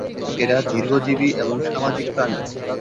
এরা দীর্ঘজীবী এবং সামাজিক প্রাণী।